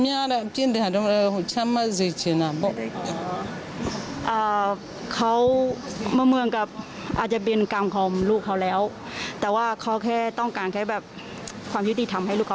อะไรประมาณนั้นครับในใจเขารู้สึกว่าเขาเศร้ามาก